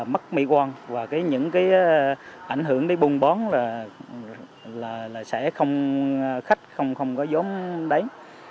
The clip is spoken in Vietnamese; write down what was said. mất mỹ quan và cái những cái ảnh hưởng để buôn bón là sẽ không khách không có giống đấy